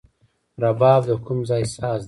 رباب د کوم ځای ساز دی؟